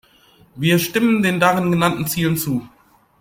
Wir stimmen den darin genannten Zielen zu.